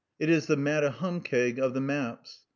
It is the Matahumkeag of the maps.